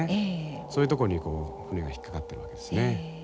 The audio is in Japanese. そういうとこに船が引っ掛かってるわけですね。